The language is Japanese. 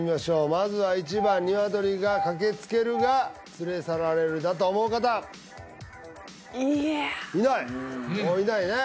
まずは１番ニワトリが駆け付けるが連れ去られるだと思う方いないおおいないね